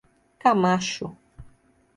Camacho